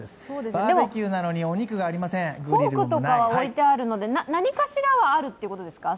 バーベキューなのにフォークとかは置いてあるので何かしらはあるってことですか。